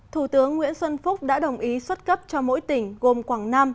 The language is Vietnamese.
thủ tướng nguyễn xuân phúc đã đồng ý xuất cấp cho mỗi tỉnh gồm quảng nam